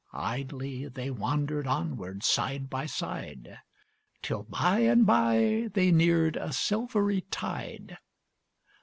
Idly they wandered onward, side by side, Till, by and by, they neared a silvery tide.